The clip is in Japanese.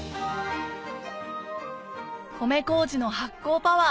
米麹の発酵パワー